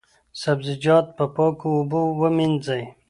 سبزیجات په پاکو اوبو ووینځئ.